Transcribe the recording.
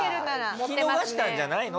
聞き逃したんじゃないの？